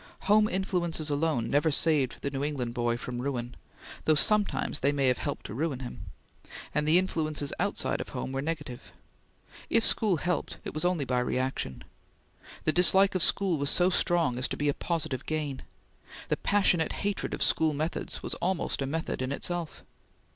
Home influences alone never saved the New England boy from ruin, though sometimes they may have helped to ruin him; and the influences outside of home were negative. If school helped, it was only by reaction. The dislike of school was so strong as to be a positive gain. The passionate hatred of school methods was almost a method in itself.